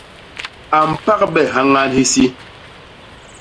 A mpagbe hyañan hisi.